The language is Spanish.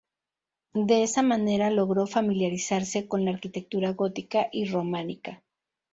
De esa manera logró familiarizarse con la arquitectura gótica y románica.